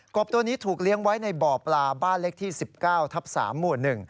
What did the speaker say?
บตัวนี้ถูกเลี้ยงไว้ในบ่อปลาบ้านเล็กที่๑๙ทับ๓หมู่๑